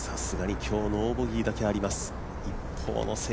さすがに今日ノーボギーだけあります。